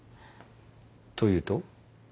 というと？